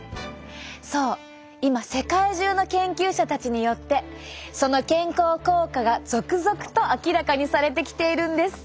そう今世界中の研究者たちによってその健康効果が続々と明らかにされてきているんです。